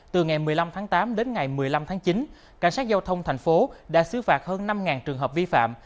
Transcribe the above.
từ ngày một mươi năm tháng tám đến ngày một mươi năm tháng chín cảnh sát giao thông thành phố đã xứ phạt hơn năm trường hợp vi phạm